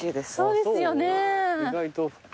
そうですよね。